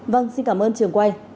vâng xin cảm ơn trường quay